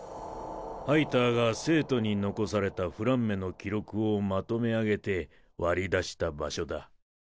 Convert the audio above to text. ハイターが聖都に残されたフランメの記録をまとめ上げて割り出した場所だ。